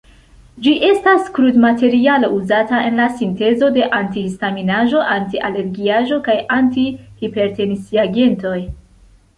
Ĝi estas krudmaterialo uzata en la sintezo de anti-histaminaĵoj, anti-alergiaĵoj kaj anti-hipertensiagentoj.